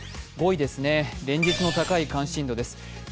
５位ですね、連日の高い関心度です。